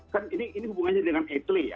kan ini hubungannya dengan etle ya